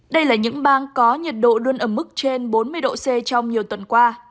đây là những bang có nhiệt độ đuôn ẩm mức trên bốn mươi độ c trong nhiều tuần qua